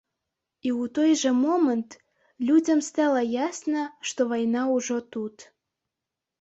І ў той жа момант людзям стала ясна, што вайна ўжо тут.